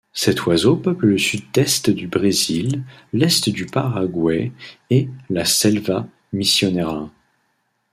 Cet oiseau peuple le sud-est du Brésil, l'est du Paraguay et la selva misionera.